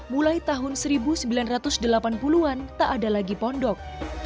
mulai tahun seribu sembilan ratus delapan puluh an tak ada lagi pondok